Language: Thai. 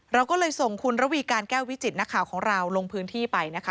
เราก็เลยส่งคุณระวีการแก้ววิจิตนักข่าวของเราลงพื้นที่ไปนะคะ